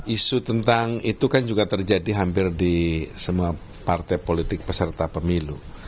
isu tentang itu kan juga terjadi hampir di semua partai politik peserta pemilu